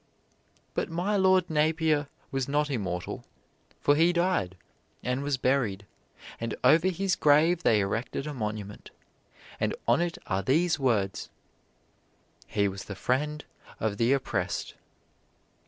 But my lord Napier was not immortal, for he died, and was buried; and over his grave they erected a monument, and on it are these words: "He was the friend of the oppressed."